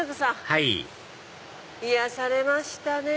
はい癒やされましたね。